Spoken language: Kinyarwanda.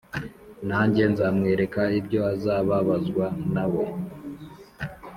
nanjye nzamwereka ibyo azababazwa na we